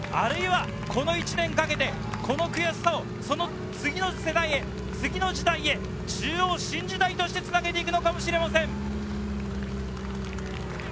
この１年かけて、この悔しさを次の世代へ、次の時代へ、中央新時代として繋げて行くのかもしれません。